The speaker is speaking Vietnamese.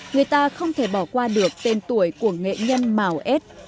người ta không thể bỏ qua được tên tuổi của nghệ nhân mào ết